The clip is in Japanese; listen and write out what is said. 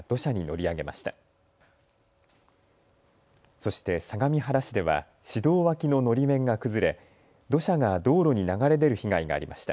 そして相模原市では市道脇ののり面が崩れ土砂が道路に流れ出る被害がありました。